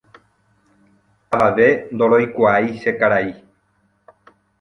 avave ndoroikuaái che karai